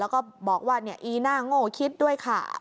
แล้วก็บอกว่าอีน่าโง่คิดด้วยค่ะ